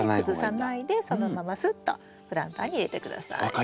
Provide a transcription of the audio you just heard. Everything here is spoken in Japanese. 崩さないでそのまますっとプランターに入れて下さい。